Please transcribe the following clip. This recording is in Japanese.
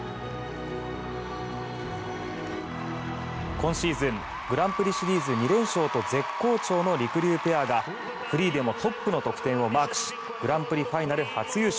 今シーズングランプリシリーズ２連勝と絶好調のりくりゅうペアがフリーでもトップの得点をマークしグランプリファイナル初優勝。